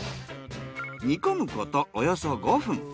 煮込むことおよそ５分。